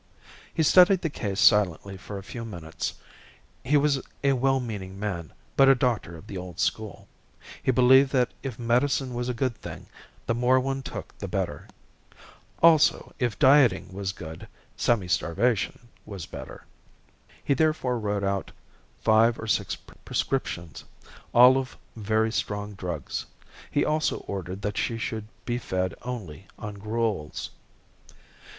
He studied the case silently for a few minutes. He was a well meaning man, but a doctor of the old school. He believed that if medicine was a good thing, the more one took the better. Also, if dieting was good, semi starvation was better. He therefore wrote out five or six prescriptions, all of very strong drugs. He also ordered that she should be fed only on gruels.